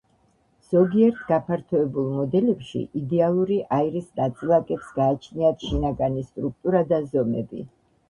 ზოგიერთ გაფართოებულ მოდელებში იდეალური აირის ნაწილაკებს გააჩნიათ შინაგანი სტრუქტურა და ზომები.